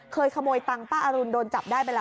เคยขโมยทางป้าอรุณโดนจับได้ไปแล้ว